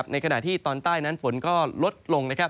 ในขณะที่ตอนใต้นั้นฝนก็ลดลง